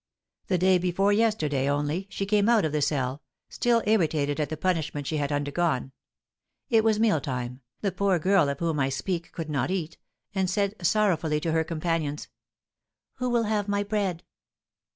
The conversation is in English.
The day before yesterday, only, she came out of the cell, still irritated at the punishment she had undergone; it was meal time, the poor girl of whom I speak could not eat, and said, sorrowfully, to her companions, 'Who will have my bread?'